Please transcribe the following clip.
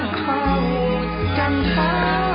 ทรงเป็นน้ำของเรา